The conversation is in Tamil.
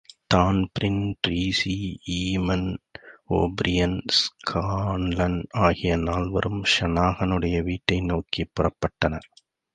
Dan Breen, Treacy, Eamon O'Brien, Scanlan ஆகிய நால்வரும் ஷனாகனுடைய வீட்டை நோக்கிப் புறப்பட்டனர்.